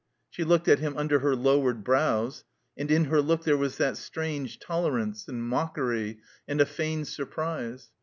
She looked at him under her lowered brows; and in her look there was that strange tolerance, and mockery, and a feigned surprise.